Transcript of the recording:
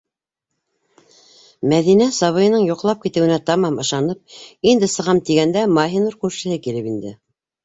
Мәҙинә сабыйының йоҡлап китеүенә тамам ышанып, инде сығам тигәндә Маһинур күршеһе килеп инде.